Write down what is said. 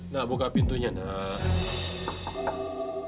nah buka pintunya nah